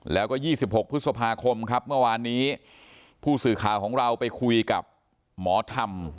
แล้วก็๒๖พฤษภาคมครับเมื่อวานนี้ผู้สื่อข่าวของเราไปคุยกับหมอธรรม